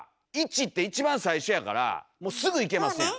１って一番最初やからもうすぐいけますやん。